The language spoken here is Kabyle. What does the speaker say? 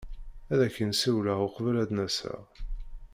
Ad ak-in-ssiwleɣ uqbel ad n-aseɣ.